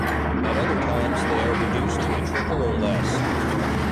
At other times they are reduced to a trickle or less.